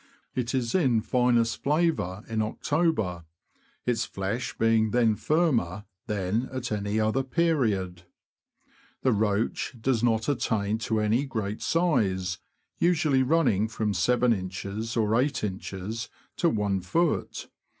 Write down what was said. It is in finest flavour in October, its flesh being then firmer than at any other period. The roach does not attain to any great size, usually running from yin. or Sin. to ift.